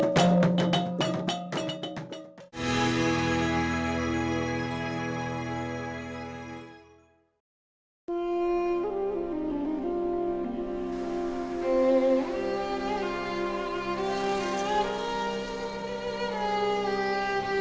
bagi kaum lelaki